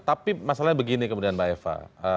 tapi masalahnya begini kemudian mbak eva